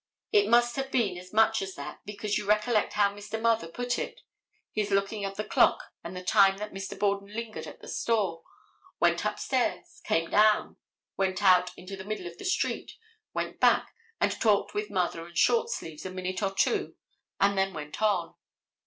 It must have been as much as that because you recollect how Mr. Mather put it, his looking at the clock and the time that Mr. Borden lingered at the store, went upstairs, came down, went out into the middle of the street, went back and talked with Mather and Shortsleeves a minute or two and then went on.